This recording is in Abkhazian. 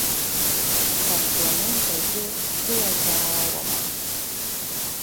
Парпламент азы сгылазаауама?